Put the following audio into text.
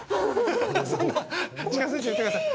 そんな近づいてみてください